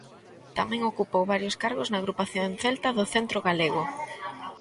Tamén ocupou varios cargos na Agrupación Celta do Centro Galego.